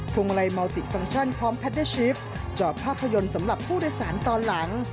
วงไลเมาติกฟังก์ชั่นพร้อมแพเดอร์ชิปจอบภาพยนตร์สำหรับผู้โดยสารตอนหลัง